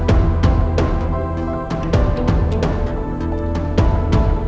ambil aja deh k whiskers